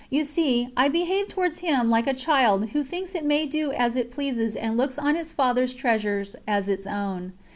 You see I behaved towards Him like a child who thinks it may do as it pleases and looks on its Father's treasures as its own.